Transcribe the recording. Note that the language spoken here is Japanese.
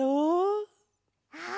ああ！